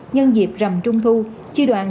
nhân dịp rầm trung thu chi đoàn